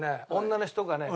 女の人がね